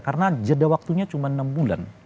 karena jeda waktunya cuma enam bulan